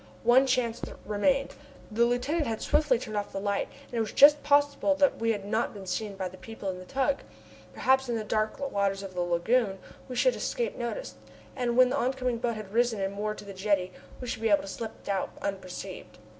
One chance remained. The lieutenant had swiftly turned off the light, and it was just possible that we had not been seen by the people in the tug. Perhaps, in the dark waters of the lagoon, we should escape notice, and when the oncoming boat had risen and moored to the jetty, we should be able to slip out unperceived.